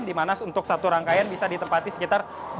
di mana untuk satu rangkaian kereta bandara sendiri terdiri dari enam gerbong